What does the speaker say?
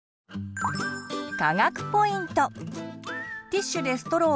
科学ポイント！